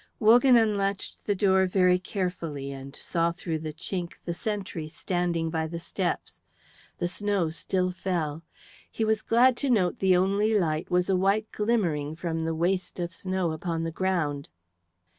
Wogan unlatched the door very carefully and saw through the chink the sentry standing by the steps. The snow still fell; he was glad to note the only light was a white glimmering from the waste of snow upon the ground.